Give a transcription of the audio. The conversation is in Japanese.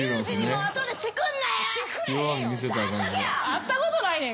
会ったことないねん。